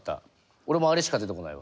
俺もあれしか出てこないわ。